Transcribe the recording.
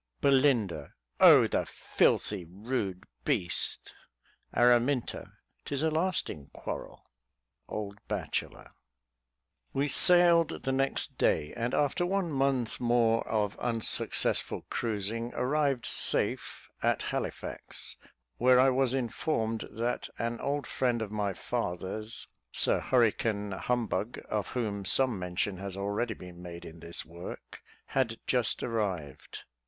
Belin. O, the filthy, rude beast. Aram. 'Tis a lasting quarrel. Old Bachelor. We sailed the next day, and after one month more of unsuccessful cruising, arrived safe at Halifax, where I was informed that an old friend of my father's, Sir Hurricane Humbug, of whom some mention has already been made in this work, had just arrived.